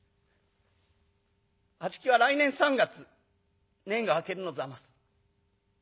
「あちきは来年三月年季が明けるのざます。